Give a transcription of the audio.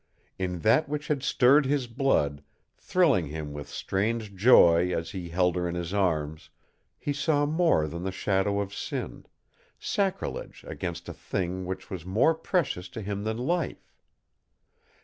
In that which had stirred his blood, thrilling him with strange joy as he held her in his arms, he saw more than the shadow of sin sacrilege against a thing which was more precious to him than life.